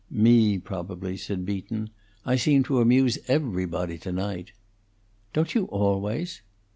"Me, probably," said Beaton. "I seem to amuse everybody to night." "Don't you always?"